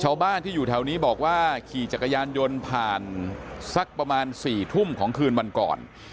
ชาวบ้านที่อยู่แถวนี้บอกว่าขี่จักรยานยนต์ผ่านสักประมาณ๔ทุ่มของคืนวันก่อน